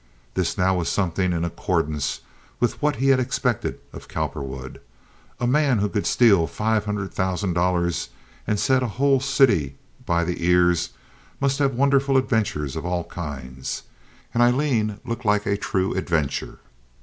This now was something in accordance with what he had expected of Cowperwood. A man who could steal five hundred thousand dollars and set a whole city by the ears must have wonderful adventures of all kinds, and Aileen looked like a true adventure.